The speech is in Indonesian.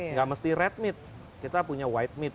nggak mesti red meat kita punya white meat